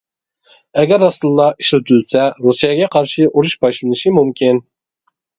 ئەگەر راستتىنلا ئىشلىتىلسە، رۇسىيەگە قارشى ئۇرۇش باشلىنىشى مۇمكىن.